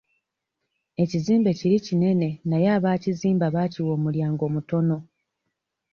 Ekizimbe kiri kinene naye abaakizimba baakiwa omulyango mutono.